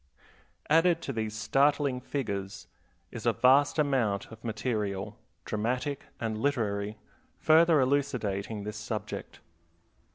Added to these startling figures is a vast amount of material, dramatic and literary, further elucidating this subject.